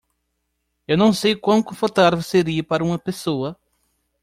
Eu não sei o quão confortável seria para uma pessoa.